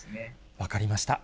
分かりました。